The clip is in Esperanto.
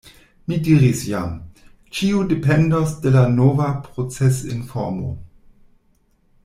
Mi diris jam: ĉio dependos de la nova procesinformo.